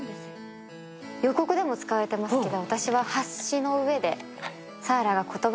予告でも使われていますけれど。